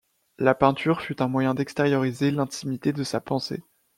La peinture fut un moyen d’extérioriser l’intimité de sa pensée.